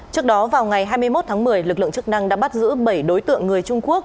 trước đó vào ngày hai mươi một tháng một mươi lực lượng chức năng đã bắt giữ bảy đối tượng người trung quốc